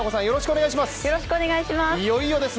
よろしくお願いします